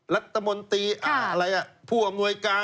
รัฐมนตรีอะไรผู้อำนวยการ